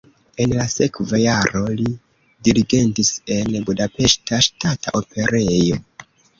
En la sekva jaro li dirigentis en Budapeŝta Ŝtata Operejo.